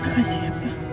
bapak siap ya